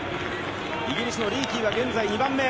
イギリスのリーキーは現在２番目。